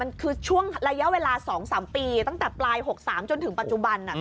มันคือช่วงระยะเวลาสองสามปีตั้งแต่ปลายหกสามจนถึงปัจจุบันอ่ะอืม